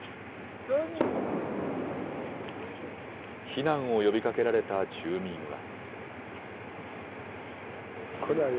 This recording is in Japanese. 避難を呼びかけられた住民は。